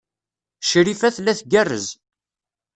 Crifa tella tgerrez.